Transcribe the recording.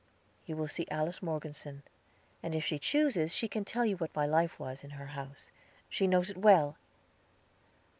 You will see Alice Morgeson, and if she chooses she can tell you what my life was in her house. She knows it well."